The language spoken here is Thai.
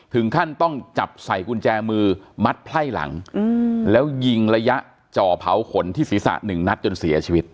ถึงขั้นต้องจับใส่กุญแจมือมัดไพ่หลังแล้วยิงระยะจ่อเผาขนที่ศีรษะหนึ่งนัดจนเสียชีวิต